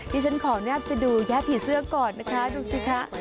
ที่ฉันขออนุญาตไปดูย่าผีเสื้อก่อนนะคะดูสิคะ